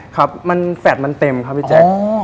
ครับมันแฟลตมันเต็มครับพี่แจ๊ค